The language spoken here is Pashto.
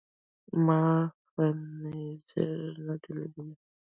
ما خنزير ندی لیدلی.